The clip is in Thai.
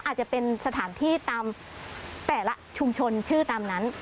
อาจจะเป็นสถานที่ตามแต่ละชุมชนชื่อตามนั้น